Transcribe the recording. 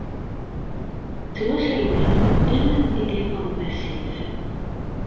Ttwasrewlen medden mi d-ifaḍ wasif.